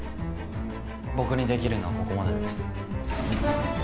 僕にできるのはここまでです。